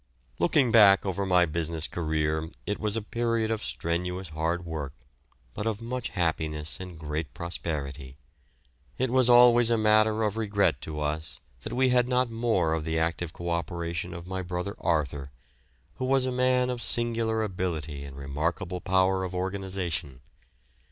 Looking back over my business career, it was a period of strenuous hard work, but of much happiness and great prosperity. It was always a matter of regret to us that we had not more of the active co operation of my brother Arthur, who was a man of singular ability and remarkable power of organisation.